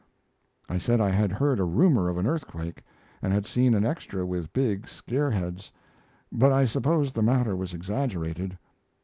I said I had heard a rumor of an earthquake; and had seen an extra with big scare heads; but I supposed the matter was exaggerated.